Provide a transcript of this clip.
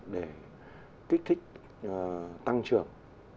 để kích thích tăng trưởng